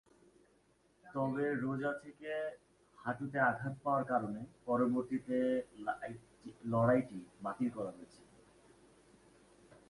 তবে রোজা থেকে হাঁটুতে আঘাত পাওয়ার কারণে পরবর্তীতে লড়াইটি বাতিল করা হয়েছিল।